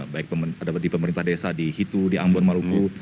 baik di pemerintah desa di hitu di ambon maluku